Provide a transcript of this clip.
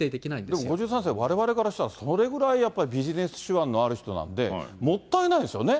でも５３世、われわれからしたら、それぐらいビジネス手腕のある人なんで、もったいないですよね。